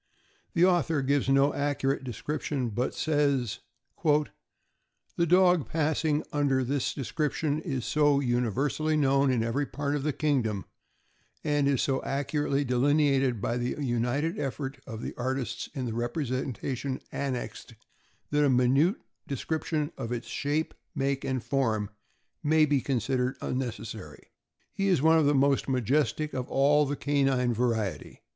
The author gives no accurate description, but says: " The dog passing under this description is so universally known in every THE NEWFOUNDLAND. 591 part of the kingdom, and is so accurately delineated by the united efforts of the artists in the representation annexed, that a minute description of its shape, make, and form may be considered unnecessary. ... He is one of the most majestic of all the canine variety.